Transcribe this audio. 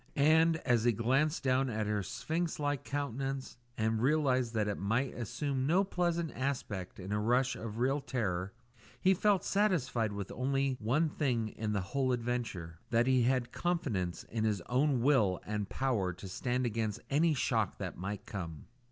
And, as he glanced down at her sphinx like countenance and realised that it might assume no pleasant aspect in a rush of real terror, he felt satisfied with only one thing in the whole adventure that he had confidence in his own will and power to stand against any shock that might come.